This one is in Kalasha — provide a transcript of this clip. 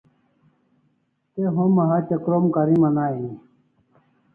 Te homa hatya krom kariman aini